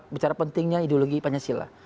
bicara pentingnya ideologi pancasila